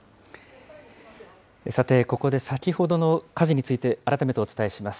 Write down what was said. さて、ここで先ほどの火事について、改めてお伝えします。